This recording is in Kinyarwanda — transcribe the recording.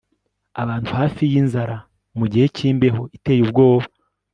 abantu hafi yinzara mugihe cyimbeho iteye ubwoba